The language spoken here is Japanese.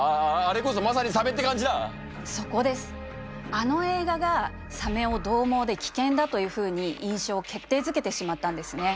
あの映画がサメをどう猛で危険だというふうに印象を決定づけてしまったんですね。